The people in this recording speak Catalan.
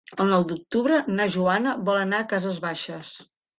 El nou d'octubre na Joana vol anar a Cases Baixes.